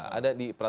kalau kita lihat